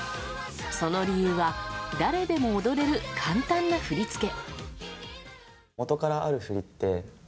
その理由は誰でも踊れる簡単な振り付け。